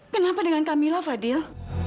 kenapa dengan kamila fadil